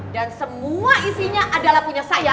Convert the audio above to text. dan semua isinya adalah punya saya